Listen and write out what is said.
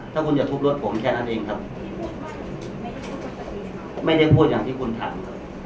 ถ้าคุณจะทุบรถผมแค่นั้นเองครับไม่ได้พูดอย่างที่คุณทำ